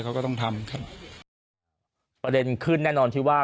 เขาก็ต้องทำครับประเด็นขึ้นแน่นอนที่ว่า